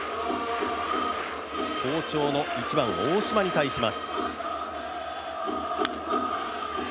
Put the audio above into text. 好調の１番・大島に対します。